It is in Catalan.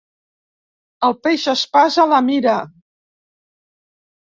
El peix espasa la mira.